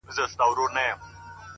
خریې ځانته وو تر تلو نیژدې کړی،